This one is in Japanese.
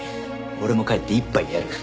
俺も帰って一杯やる。